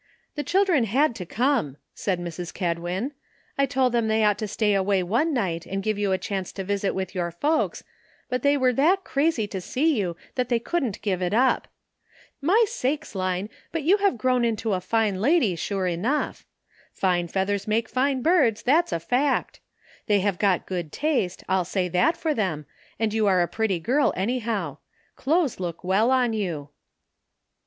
"The children had to come," said Mrs. Kedwin. "I told them they ought to stay away one night and give you a chance to visit with your folks ; but they were that crazy to see you that they couldn't give it up. My sakes. Line ! but you have grown into a fine lady, sure enough. ' Fine feathers make fine birds,' that's a fact. They have got good taste, I'll say that for them, and you are a pretty girl, anyhow. Clothes look well on you."